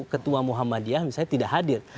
ketua muhammadiyah misalnya tidak hadir